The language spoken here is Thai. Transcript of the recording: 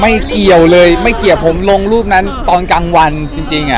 เกี่ยวเลยไม่เกี่ยวผมลงรูปนั้นตอนกลางวันจริงอ่ะ